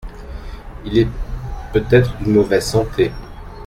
Il est peut-être d’une mauvaise santé ?